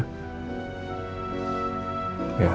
apa sih banyaknya